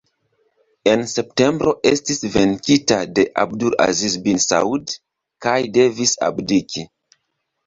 En septembro estis venkita de Abdul-Aziz bin Saud kaj devis abdiki.